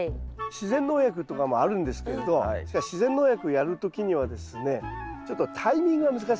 自然農薬とかもあるんですけれどしかし自然農薬をやる時にはですねちょっとタイミングが難しいんですよね。